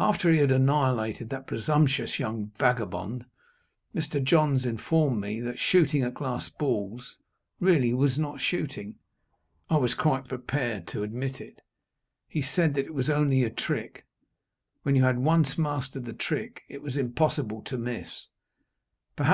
After he had annihilated that presumptuous young vagabond, Mr. Johns informed me that shooting at glass balls really was not shooting. I was quite prepared to admit it. He said that it was only a trick. When you had once mastered the trick, it was impossible to miss. Perhaps.